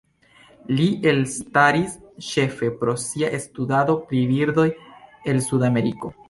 Li elstaris ĉefe pro sia studado pri birdoj el Sudameriko.